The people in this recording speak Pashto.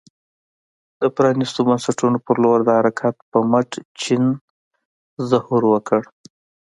د پرانیستو بنسټونو په لور د حرکت پر مټ چین ظهور وکړ.